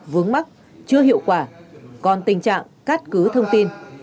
vướng mắt chưa hiệu quả còn tình trạng cắt cứ thông tin